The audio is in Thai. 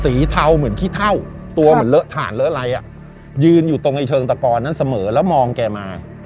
เทาเหมือนขี้เท่าตัวเหมือนเลอะถ่านเลอะอะไรอ่ะยืนอยู่ตรงไอเชิงตะกอนนั้นเสมอแล้วมองแกมา